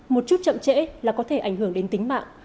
một chút chậm trễ là có thể ảnh hưởng đến tính mạng